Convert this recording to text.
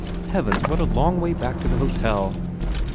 Heavens, what a long way back to the hotel